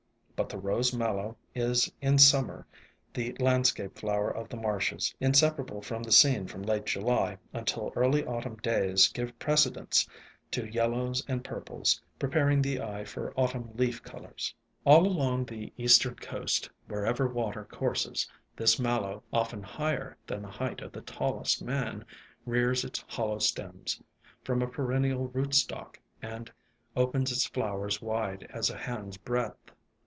But the Rose Mallow is in Summer the landscape flower of the marshes, inseparable from the scene from late July until early Autumn days give precedence to yellows and pur ples, preparing the eye for Autumn leaf colors. All along the eastern coast, wherever water courses, this Mallow, often higher than the height 60 ALONG THE WATERWAYS of the tallest man, rears its hollow stems, from a perennial rootstock, and opens its flowers wide as a hand's breadth.